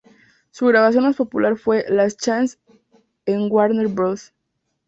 Su grabación más popular fue "Last Chance", en Warner Bros.